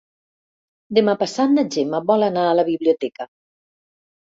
Demà passat na Gemma vol anar a la biblioteca.